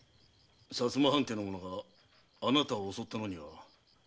薩摩藩邸の者があなたを襲ったのには何か訳があろう？